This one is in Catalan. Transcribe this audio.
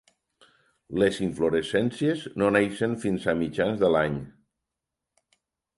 Les inflorescències no neixen fins a mitjans de l'any.